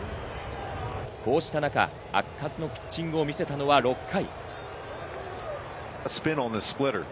こうした中、圧巻のピッチングを見せたのは６回。